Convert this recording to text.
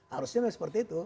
harusnya tidak seperti itu